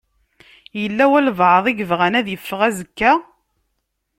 Yella walebɛaḍ i yebɣan ad iffeɣ azekka?